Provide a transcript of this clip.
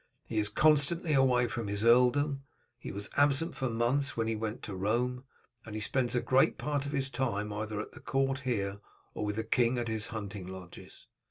He is constantly away from his earldom. He was absent for months when he went to Rome, and he spends a great part of his time either at the court here or with the king at his hunting lodges.